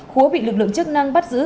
khúa bị lực lượng chức năng bắt giữ